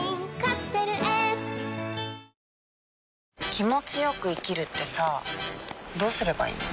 気持ちよく生きるってさどうすればいいの？